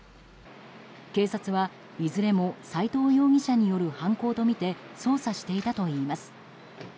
警察は、いずれも斎藤容疑者による犯行とみて捜査していたといいます。